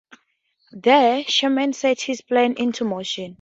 There, Sherman sets his plan into motion.